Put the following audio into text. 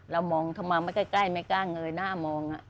เรามองทำไมไม่ใกล้ไม่กล้าเงยหน้ามอง